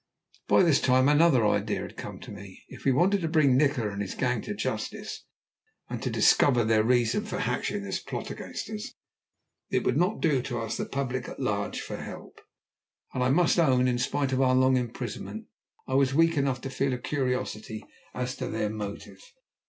By this time another idea had come to me. If we wanted to bring Nikola and his gang to justice, and to discover their reason for hatching this plot against us, it would not do to ask the public at large for help and I must own, in spite of our long imprisonment, I was weak enough to feel a curiosity as to their motive.